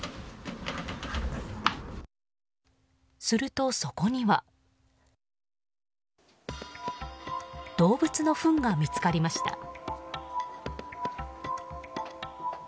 すると、そこには動物のふんが見つかりました。